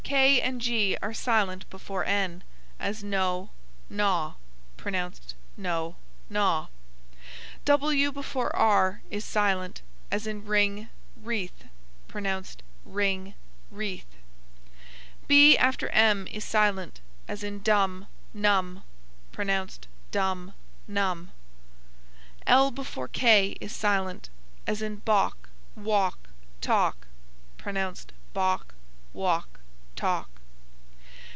K and G are silent before n; as know, gnaw; pronounced no, naw. W before r is silent; as in wring, wreath; pronounced ring, reath. B after m is silent; as in dumb, numb; pronounced dum, num. L before k is silent; as in balk, walk, talk; pronounced bauk, wauk, tauk.